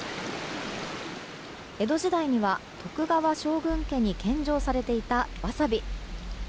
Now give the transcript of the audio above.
江戸時代には徳川将軍家に献上されていた、わさび。